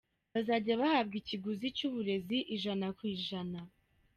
Bazajya bahabwa ikiguzi cyuburezi ijana ku ijana.